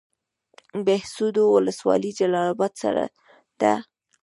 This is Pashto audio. بهسودو ولسوالۍ جلال اباد سره ده؟